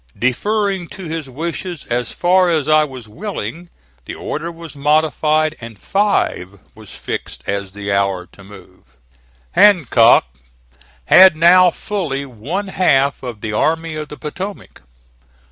Deferring to his wishes as far as I was willing, the order was modified and five was fixed as the hour to move. Hancock had now fully one half of the Army of the Potomac.